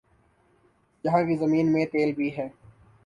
یہاں کی زمین میں تیل بھی ہے